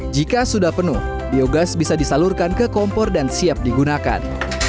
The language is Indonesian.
jika sudah penuh biogas bisa disalurkan ke kompor dan siap digunakan